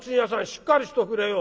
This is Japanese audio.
しっかりしとくれよ。